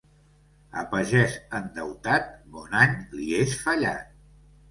A pagès endeutat, bon any li és fallat.